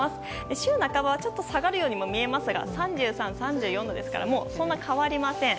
週半ばは下がるようにも見えますが３３、３４度ですからそんなに変わりません。